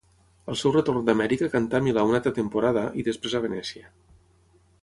Al seu retorn d'Amèrica cantà a Milà una altra temporada, i després a Venècia.